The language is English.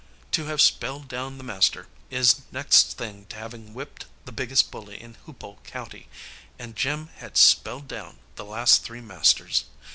To have "spelled down the master" is next thing to having whipped the biggest bully in Hoopole County, and Jim had "spelled down" the last three masters.